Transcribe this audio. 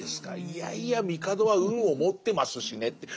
いやいや帝は運を持ってますしねって